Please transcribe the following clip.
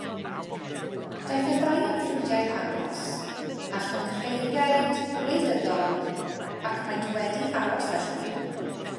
Daeth y ddau yn ffrindiau agos a chynghreiriaid gwleidyddol, ac maent wedi aros felly.